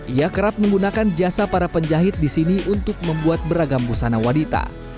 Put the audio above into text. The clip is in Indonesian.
ia kerap menggunakan jasa para penjahit di sini untuk membuat beragam busana wanita